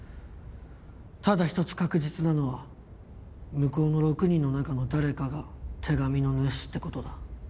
ただ一つ確実なのは向こうの６人の中の誰かが手紙の主って事だ。